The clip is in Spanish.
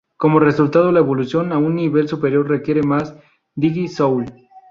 Como resultado, la evolución a un nivel superior requiere más "Digi-soul".